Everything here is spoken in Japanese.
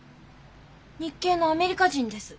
日系のアメリカ人です。